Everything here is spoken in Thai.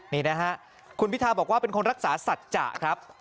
นี่นะฮะคุณพิทาบอกว่าเป็นคนรักษาสัจจะครับ